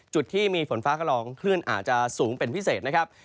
จุดที่มีฝนฟ้ากระลองคลื่นอาจจะสูงเป็นพิเศษนะครับ